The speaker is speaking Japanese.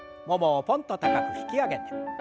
ももをぽんと高く引き上げて。